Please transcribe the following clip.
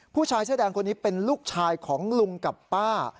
ผู้ชายเสื้อแดงคนนี้เป็นลูกชายของลุงกับป้า